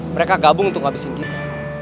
mereka gabung untuk ngabisin kita